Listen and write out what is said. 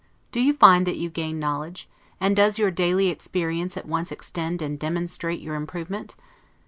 Do you find that you gain knowledge? And does your daily experience at once extend and demonstrate your improvement?